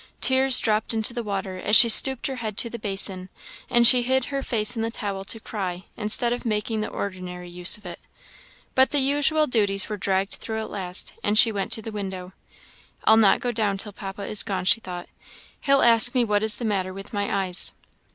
Tears dropped into the water as she stooped her head to the basin; and she hid her face in the towel to cry, instead of making the ordinary use of it. But the usual duties were dragged through at last, and she went to the window. "I'll not go down till papa is gone," she thought "he'll ask me what is the matter with my eyes."